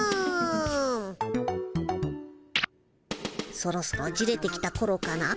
そろそろじれてきたころかな。